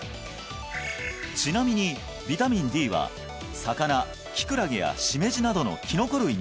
ちなみにビタミンＤは魚キクラゲやしめじなどのきのこ類に多く含まれています